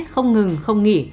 không ngừng không nghỉ